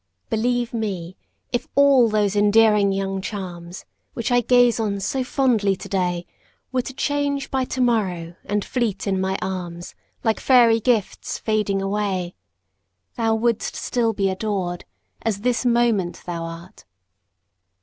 Believe me, if all those endearing young charms, Which I gaze on so fondly today, Were to change by to morrow, and fleet in my arms, Like fairy gifts fading away, Thou wouldst still be adored, as this moment thou art.